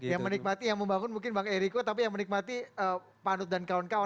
yang menikmati yang membangun mungkin bang eriko tapi yang menikmati panut dan kawan kawan